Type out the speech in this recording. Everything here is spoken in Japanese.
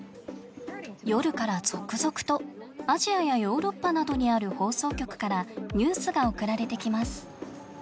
夜から続々とアジアやヨーロッパなどにある放送局からニュースが送られてきます。